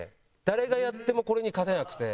誰がやってもこれに勝てなくて。